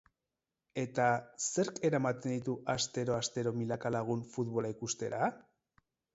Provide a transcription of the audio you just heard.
Eta zerk eramaten ditu astero-astero milaka lagun futbola ikustera?